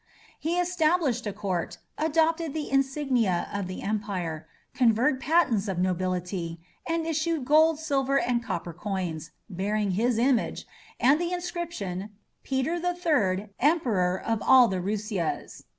He established a court, adopted the insignia of the empire, conferred patents of nobility, and issued gold, silver, and copper coins, bearing his image, and the inscription: "Peter the Third, Emperor of all the Russias."